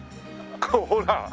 ほら！